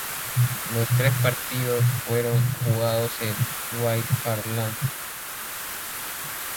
Los tres partidos fueron jugados en White Hart Lane.